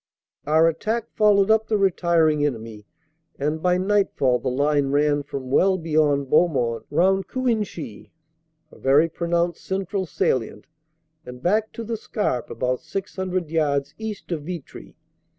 "Our attack followed up the retiring enemy, and by night fall the line ran from well beyond Beaumont, round Cuinchy (a very pronounced central salient), and back to the Scarpe about 600 yards east of Vitry.